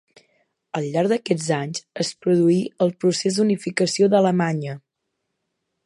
Al llarg d'aquests anys es produí el procés d'unificació d'Alemanya.